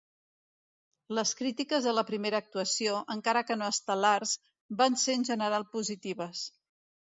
Les crítiques de la primera actuació, encara que no estel·lars, van ser en general positives.